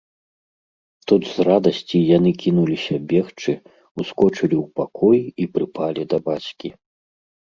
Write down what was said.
Тут з радасці яны кінуліся бегчы, ускочылі ў пакой і прыпалі да бацькі